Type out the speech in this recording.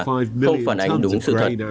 không phản ánh đúng sự thật